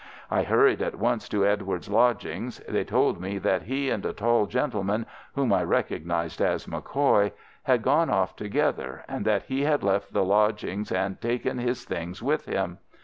I hurried at once to Edward's lodgings. They told me that he and a tall gentleman (whom I recognized as MacCoy) had gone off together, and that he had left the lodgings and taken his things with him.